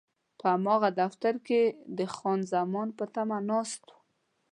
په هماغه دفتر کې د خان زمان په تمه ناست وم.